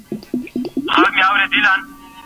ډیموکراسي د افغانستان لپاره نوي تجربه وه.